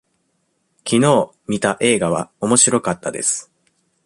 きのう見た映画はおもしろかったです。